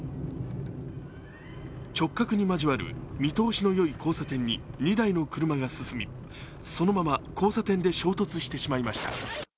直角に交わる見通しの良い交差点に２台の車が進みそのまま交差点で衝突してしまいました。